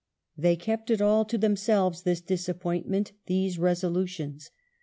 They kept it all to themselves, this disappoint ment, these resolutions.